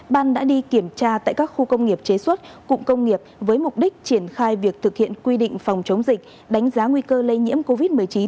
ban đã đi kiểm tra tại các khu công nghiệp chế xuất cụm công nghiệp với mục đích triển khai việc thực hiện quy định phòng chống dịch đánh giá nguy cơ lây nhiễm covid một mươi chín